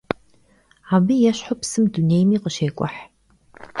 Abı yêşhu psım dunêymi khışêk'uh.